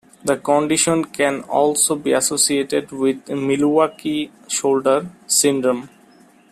This condition can also be associated with Milwaukee shoulder syndrome.